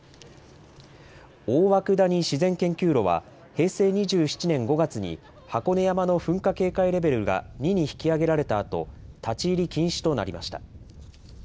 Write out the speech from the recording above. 大涌谷自然研究路は平成２７年５月に、箱根山の噴火警戒レベルが２に引き上げられたあと、立ち入り禁止となりました。